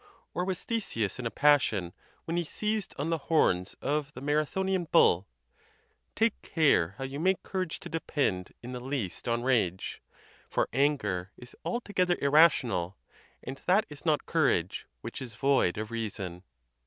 Or was Theseus in a passion when he seized on the horns of the Marathonian bull? Take care how you make courage to depend in the least on rage. For anger is altogether irrational, and that is not courage which is void of reason.